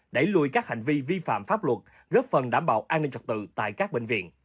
đẩy lùi các hành vi vi phạm pháp luật góp phần đảm bảo an ninh trật tự tại các bệnh viện